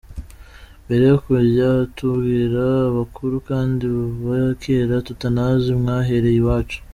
Mbere yo kujya kutubwira abakure kandi ba kera tutanazi mwahereye iwacu.